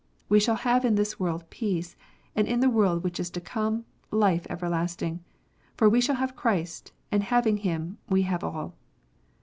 We shall have in this world peace, and in the world which is to come, life everlasting ; for we shall have Christ, and having Him, we have all.